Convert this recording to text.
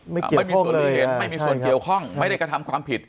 ไม่มีส่วนรู้เห็นไม่มีส่วนเกี่ยวข้องไม่ได้กระทำความผิด